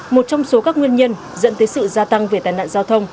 một trong số các nguyên nhân dẫn tới sự gia tăng về tàn nạn giao thông